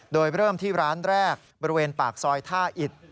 โดยเริ่มที่ร้านแรกบริเวณปากซอยท่าอิด